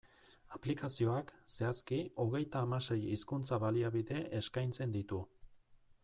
Aplikazioak, zehazki, hogeita hamasei hizkuntza-baliabide eskaintzen ditu.